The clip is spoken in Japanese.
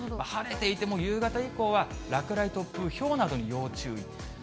晴れていても夕方以降は、落雷、突風、ひょうなどに要注意。